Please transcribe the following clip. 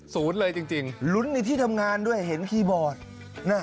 สุดเลยจริงรุ้นได้ที่ทำงานด้วยเห็นคีย์บอร์ด